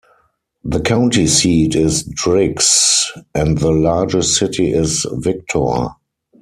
The county seat is Driggs, and the largest city is Victor.